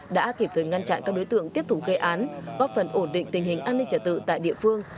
đã kịp thời ngăn chặn các đối tượng tiếp thủ gây án góp phần ổn định tình hình an ninh trả tự tại địa phương